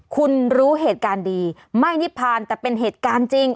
คุณรู้เหตุการณ์ดีไม่นิพพานแต่เป็นเหตุการณ์จริง